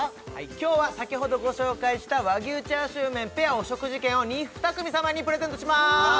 今日は先ほどご紹介した和牛チャーシュー麺ペアお食事券を２組様にプレゼントします